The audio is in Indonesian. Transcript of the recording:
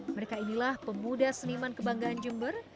mereka inilah pemuda seniman kebanggaan jember